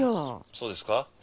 ☎そうですか。